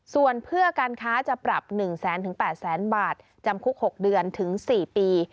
ส่วนเพื่อการค้าจะปรับ๑๐๐๐๘๐๐๐บาทจำคุก๖เดือนถึง๔ปี